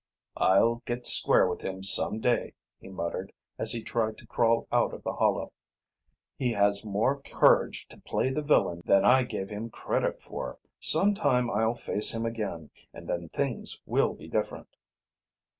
"I'll get square with him some day," he muttered, as he tried to crawl out of the hollow. "He has more courage to play the villain than I gave him credit for. Sometime I'll face him again, and then things will be different."